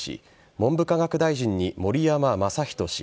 文部科学大臣に盛山正仁氏